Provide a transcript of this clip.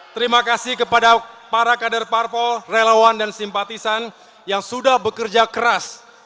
terima kasih kepada para kader parpol relawan dan simpatisan yang sudah bekerja keras